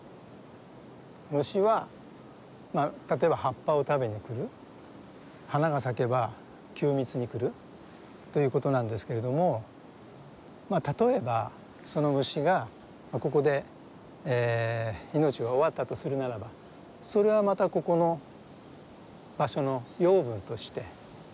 虫は例えば葉っぱを食べに来る花が咲けば吸蜜に来るということなんですけれども例えばその虫がここで命が終わったとするならばそれはまたここの場所の養分として土にかえっていくわけですよね。